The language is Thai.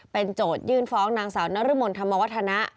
โจทยื่นฟ้องนางสาวนรมนธรรมวัฒนะ